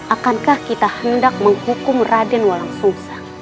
akankah kita hendak menghukum raden walang susa